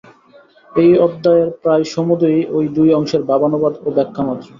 এই অধ্যায়ের প্রায় সমুদয়ই ঐ দুই অংশের ভাবানুবাদ ও ব্যাখ্যামাত্র।